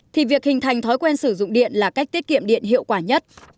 thì việc hình thành thói quen sử dụng điện là cách tiết kiệm điện hiệu quả nhất